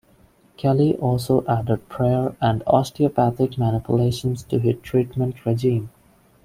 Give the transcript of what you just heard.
Kelley also added prayer and osteopathic manipulations to his treatment regime.